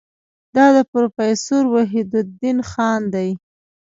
دا د پروفیسور وحیدالدین خان دی.